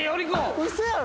ウソやろ？